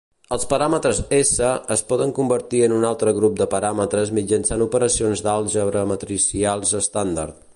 Els paràmetres S es poden convertir en un altre grup de paràmetres mitjançant operacions d'àlgebra matricials estàndard.